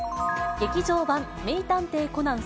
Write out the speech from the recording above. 劇場版名探偵コナン